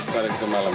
satu hari satu malam